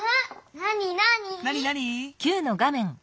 なになに？